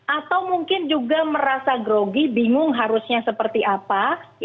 atau mungkin juga merasa grogi bingung harusnya seperti apa